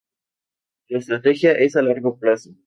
La estrategia es a largo plazo.